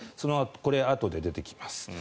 これ、あとで出てきます。